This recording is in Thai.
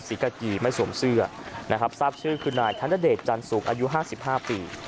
สีกาจีไม่สวมเสื้อนะครับทราบชื่อคือนายธรรมเดชน์จันทร์สุกอายุห้าสิบห้าปี